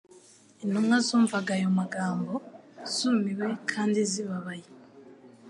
Intumwa zumvaga ayo magambo zumiwe kandi zibabaye.